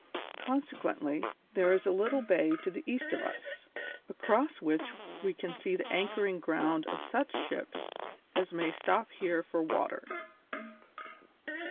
Consequently, there is a little bay to the east of us, across which we can see the anchoring ground of such ships as may stop here for water.